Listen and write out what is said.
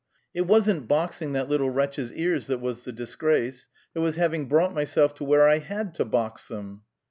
"It wasn't boxing that little wretch's ears that was the disgrace; it was having brought myself to where I had to box them."